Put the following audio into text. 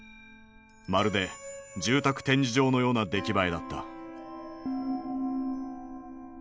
まるで住宅展示場のような出来栄えだった。